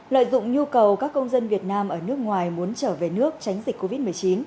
lợi dụng nhu cầu các công dân việt nam ở nước ngoài muốn trở về nước tránh dịch covid một mươi chín